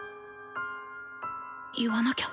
言わなきゃ。